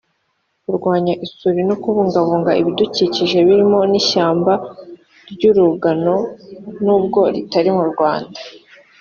kurwanya isuri no kubungabunga ibidukikije birimo n’ishyamba ry’Urugano nubwo ritari mu Rwanda